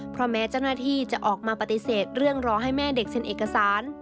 เพราะแม้เจ้าหน้าที่จะออกมาปฏิเสธเรื่องรอให้แม่เด็กเซ็นเอกสาร